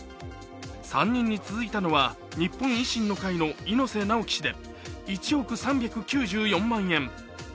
３人に続いたのは日本維新の会の猪瀬直樹氏が１億３９４万円。